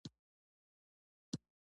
مینه د زړه ژبه ده.